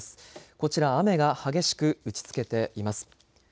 こちら雨が激しく打ちつけています。